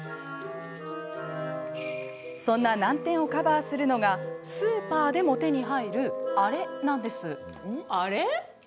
そんな難点をカバーするのがスーパーでも手に入るアレなんです。